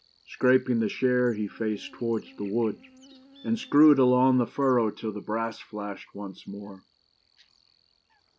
Scraping the share he faced towards the wood, And screwed along the furrow till the brass flashed Once more.